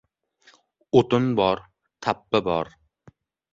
— O‘tin bor, tappi bor.